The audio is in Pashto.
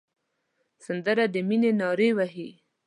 سندره د مینې نارې وهي